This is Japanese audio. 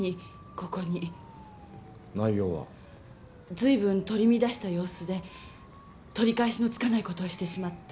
随分取り乱した様子で「取り返しのつかない事をしてしまった」